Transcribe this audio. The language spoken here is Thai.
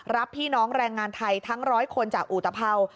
รับพี่น้องแรงงานไทยทั้ง๑๐๐คนจากอุตภัวร์